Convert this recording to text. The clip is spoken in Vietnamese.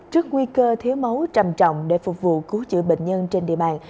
trước nguy cơ thiếu máu trầm trọng để phục vụ cứu chữa bệnh nhân trên địa bàn